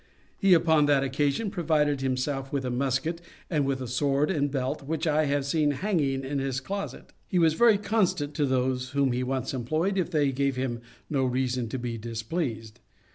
He upon that occasion provided himself with a musket, and with a sword and belt, which I have seen hanging in his closet. He was very constant to those whom he once employed, if they gave him no reason to be displeased.